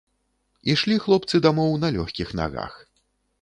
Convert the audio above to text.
Ішлі хлопцы дамоў на лёгкіх нагах.